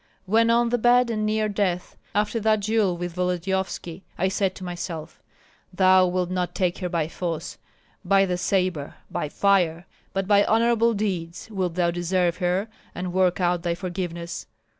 When on the bed and near death, after that duel with Volodyovski, I said to myself: 'Thou wilt not take her by force, by the sabre, by fire, but by honorable deeds wilt thou deserve her and work out thy forgiveness.